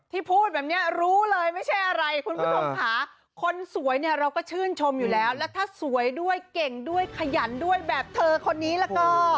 พูดแบบนี้รู้เลยไม่ใช่อะไรคุณผู้ชมค่ะคนสวยเนี่ยเราก็ชื่นชมอยู่แล้วแล้วถ้าสวยด้วยเก่งด้วยขยันด้วยแบบเธอคนนี้แล้วก็